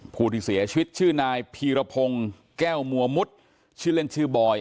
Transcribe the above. ผู้ที่เสียชีวิตชื่อนายพีรพงศ์แก้วมัวมุดชื่อเล่นชื่อบอย